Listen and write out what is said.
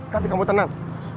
tapi kamu tenang